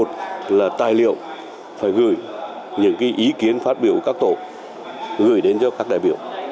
cái thứ hai là tài liệu phải gửi những ý kiến phát biểu các tổ gửi đến cho các đại biểu